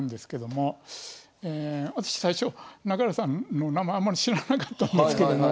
私最初中原さんの名前あんまり知らなかったんですけども。